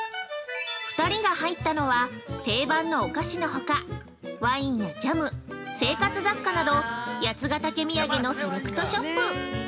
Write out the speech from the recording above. ◆２人が入ったのは、定番のお菓子のほかワインやジャム、生活雑貨など八ヶ岳土産のセレクトショップ。